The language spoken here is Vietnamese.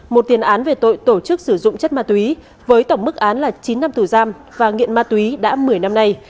một tiền án về tội tổ chức sử dụng chất ma túy với tổng mức án là chín năm tù giam và nghiện ma túy đã một mươi năm nay